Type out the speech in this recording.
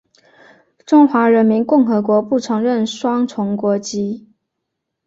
中华人民共和国不承认双重国籍。